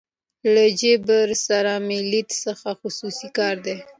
له جبار سره مې لېږ څه خصوصي کار دى.